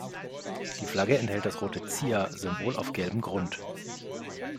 Die Flagge enthält das rote Zia-Symbol auf gelbem Grund.